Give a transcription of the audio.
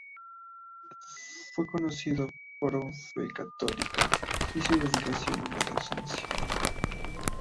Fue conocido por su fe católica y su dedicación a la docencia.